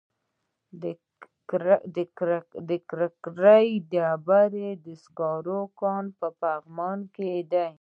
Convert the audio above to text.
د کرکر د ډبرو سکرو کان په بغلان کې دی.